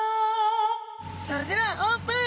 それではオープン。